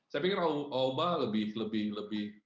saya pikir aubameyang lebih